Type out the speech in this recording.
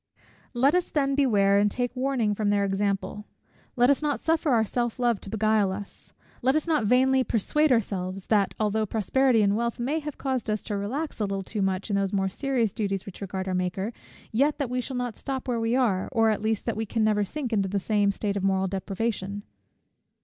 Let us then beware, and take warning from their example: let us not suffer our self love to beguile us: let us not vainly persuade ourselves, that although prosperity and wealth may have caused us to relax a little too much, in those more serious duties which regard our Maker, yet that we shall stop where we are; or, at least, that we can never sink into the same state of moral depravation.